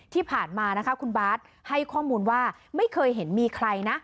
ที่ผ่านมานะคะคุณบาทให้ข้อมูลว่าไม่เคยเห็นมีใครนะ